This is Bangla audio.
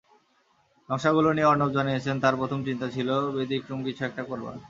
নকশাগুলো নিয়ে অর্ণব জানিয়েছেন, তাঁর প্রথম চিন্তা ছিল ব্যতিক্রম কিছু একটা করার।